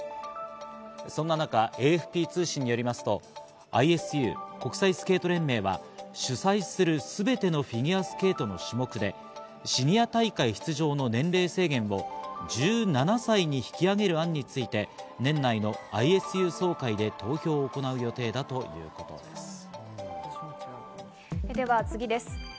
そんな中、ＡＦＰ通信によりますと、ＩＳＵ＝国際スケート連盟は、主催する全てのフィギュアスケートの種目でシニア大会出場の年齢制限を１７歳に引き上げる案について、年内のＩＳＵ総会で投票を行う予定だということです。